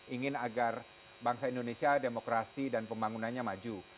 ingin agar bangsa indonesia demokrasi dan pembangunannya maju